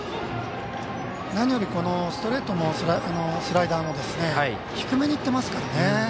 なのにストレートもスライダーも低めにいってますからね。